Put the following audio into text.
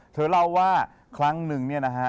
เธอเล่าว่าครั้งนึงเนี่ยนะฮะ